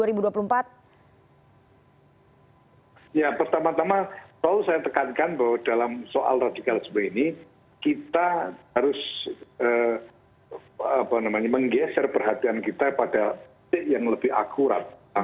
ya pertama tama selalu saya tekankan bahwa dalam soal radikalisme ini kita harus menggeser perhatian kita pada titik yang lebih akurat